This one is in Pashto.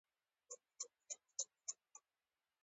د ښاغلي شواب شخصيت د تالار پر خلکو سخت اغېز کړی و.